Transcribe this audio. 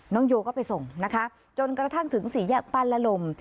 โยก็ไปส่งนะคะจนกระทั่งถึงสี่แยกปั้นละลม